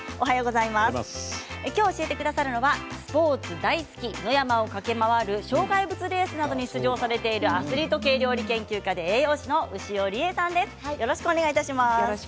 きょう教えてくださるのはスポーツ大好き、野山を駆け回る障害物レースなどに出場されているアスリート系料理研究家で栄養士の牛尾理恵さんです。